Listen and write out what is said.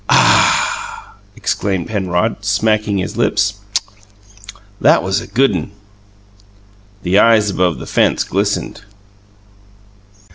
"A a h!" exclaimed Penrod, smacking his lips. "That was a good un!" The eyes above the fence glistened.